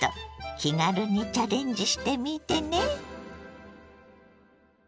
気軽にチャレンジしてみてね。